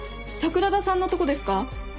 桜田さんのとこですか？